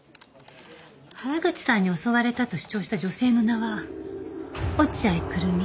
原口さんに襲われたと主張した女性の名は落合久瑠実。